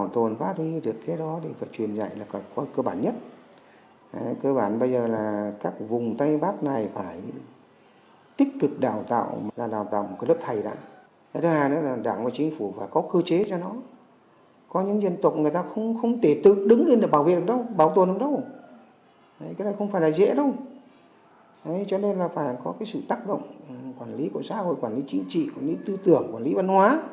thế nên là phải có sự tác động quản lý cộng xã hội quản lý chính trị quản lý tư tưởng quản lý văn hóa